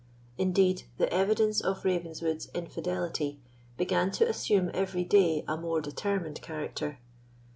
Indeed, the evidence of Ravenswood's infidelity began to assume every day a more determined character.